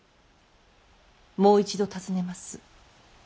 もう一度尋ねます。